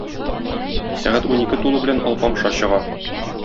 Сәгать унике тулу белән Алпамша чыга.